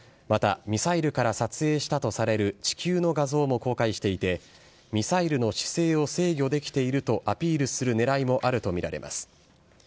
また、ミサイルから撮影したとされる地球の画像も公開していて、ミサイルの姿勢を制御できているとアピールするねらいもあると見られます。